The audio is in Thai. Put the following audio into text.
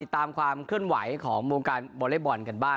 ตามความเคลื่อนไหวของวงการวอเล็กบอลกันบ้าง